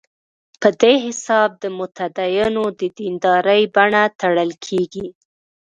په دې حساب د متدینو د دیندارۍ بڼه تړل کېږي.